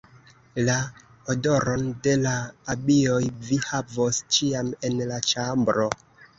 La odoron de la abioj vi havos ĉiam en la ĉambro.